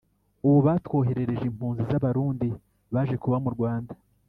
Ubu batwoherereje impunzi z’abarundi baje kuba mu Rwanda